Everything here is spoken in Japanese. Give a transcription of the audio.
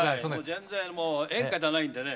全然もう演歌じゃないんでね